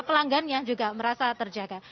pelanggannya juga merasa terjaga